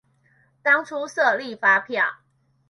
當初設立發票